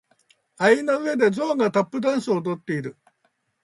蟻の上でゾウがタップダンスを踊っている。